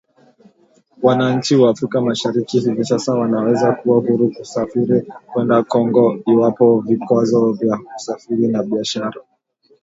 Wananchi wa Afrika Mashariki hivi sasa wanaweza kuwa huru kusafiri kwenda Kongo iwapo vikwazo vya kusafiri na biashara